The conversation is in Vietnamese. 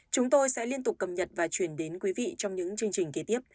chúng tôi sẽ liên tục cập nhật và truyền đến quý vị trong những chương trình kế tiếp